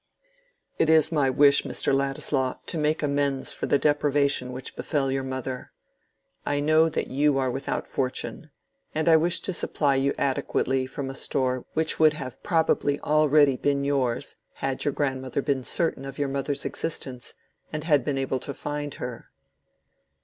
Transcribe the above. "It is my wish, Mr. Ladislaw, to make amends for the deprivation which befell your mother. I know that you are without fortune, and I wish to supply you adequately from a store which would have probably already been yours had your grandmother been certain of your mother's existence and been able to find her."